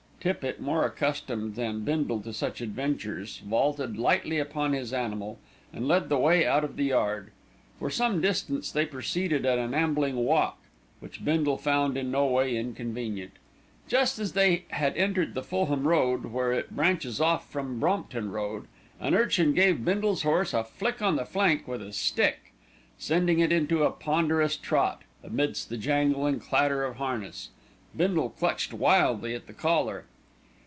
Tippitt, more accustomed than Bindle to such adventures, vaulted lightly upon his animal, and led the way out of the yard. For some distance they proceeded at an ambling walk, which Bindle found in no way inconvenient. Just as they had entered the Fulham Road, where it branches off from the Brompton Road, an urchin gave Bindle's horse a flick on the flank with a stick, sending it into a ponderous trot, amidst the jangle and clatter of harness. Bindle clutched wildly at the collar.